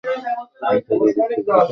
এরপর বৈদিক সভ্যতা উত্থান ঘটে।